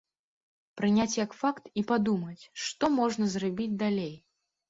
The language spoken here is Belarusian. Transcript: Прыняць як факт і падумаць, што можна зрабіць далей.